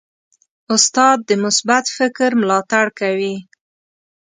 استاد د مثبت فکر ملاتړ کوي.